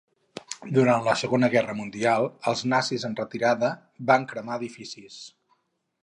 Durant la Segona Guerra Mundial els nazis en retirada van cremar edificis.